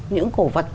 những cổ vật